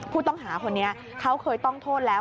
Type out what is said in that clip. ผู้ต้องหาคนนี้เขาเคยต้องโทษแล้ว